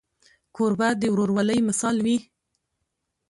کوربه د ورورولۍ مثال وي.